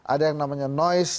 ada yang namanya noise